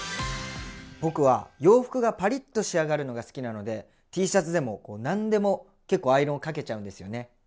僕は洋服がパリッと仕上がるのが好きなのでＴシャツでも何でも結構アイロンかけちゃうんですよね。